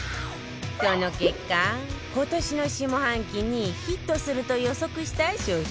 その結果今年の下半期にヒットすると予測した商品は